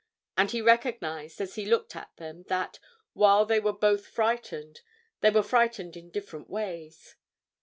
And he recognized as he looked at them that, while they were both frightened, they were frightened in different ways.